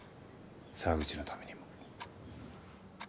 沢口のためにも。